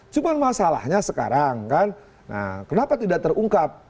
cuma masalahnya sekarang kan kenapa tidak terungkap